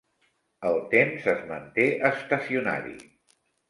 El temps es manté estacionari.